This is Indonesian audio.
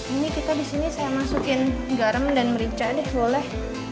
ini kita di sini saya masukkan garam dan merica deh boleh